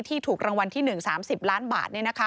ที่ถูกรางวัลที่หนึ่ง๓๐ล้านบาท